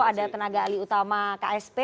ada tenaga alih utama ksp